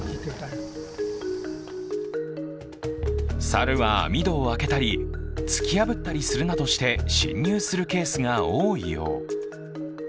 猿は網戸を開けたり突き破ったりするなどして、侵入するケースが多いよう。